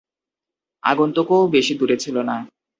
আগন্তুকও বেশি দূরে ছিল না।